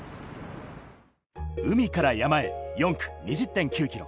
海から山へ４区・２０．９ｋｍ。